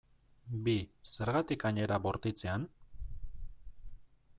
Bi, zergatik hain era bortitzean?